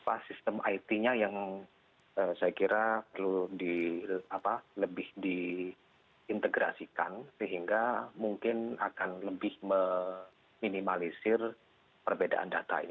apa sistem it nya yang saya kira perlu lebih diintegrasikan sehingga mungkin akan lebih meminimalisir perbedaan data ini